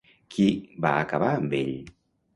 Qui va acabar amb ell?